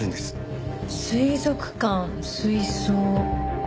水族館水槽。